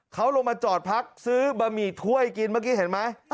เขาลงมาจอดพักซื้อบะหมี่ถ้วยกินเมื่อกี้เห็นไหม